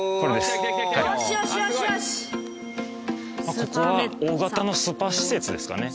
ここは大型のスパ施設ですかね。